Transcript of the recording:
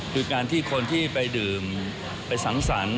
คือการที่คนที่ไปดื่มไปสังสรรค์